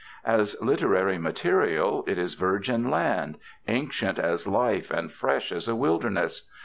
As literary material, it is virgin land, ancient as life and fresh as a wilderness.